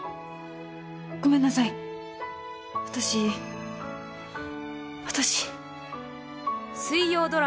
ごめんなさい、私、私。